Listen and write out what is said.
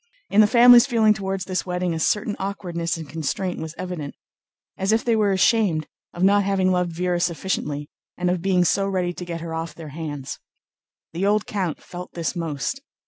In the family's feeling toward this wedding a certain awkwardness and constraint was evident, as if they were ashamed of not having loved Véra sufficiently and of being so ready to get her off their hands. The old count felt this most.